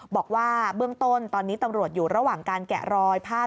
บอกว่าเบื้องต้นตอนนี้ตำรวจอยู่ระหว่างการแกะรอยภาพ